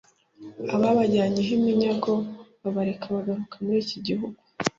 ababajyanye ho iminyago babareke bagaruke muri iki gihugu